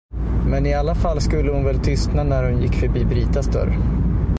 Men i alla fall skulle hon väl tystna, när hon gick förbi Britas dörr.